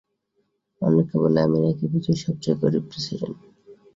অনেকে বলে আমি নাকি পৃথিবীর সবচেয়ে গরিব প্রেসিডেন্ট।